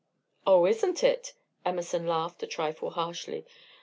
"Oh, isn't it!" Emerson laughed a trifle harshly.